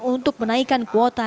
untuk menaikan kuota